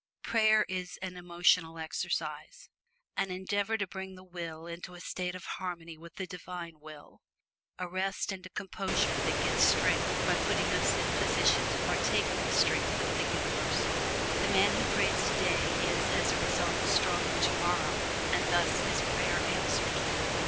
Prayer is an emotional exercise; an endeavor to bring the will into a state of harmony with the Divine Will; a rest and a composure that gives strength by putting us in position to partake of the strength of the Universal. The man who prays today is as a result stronger tomorrow, and thus is prayer answered.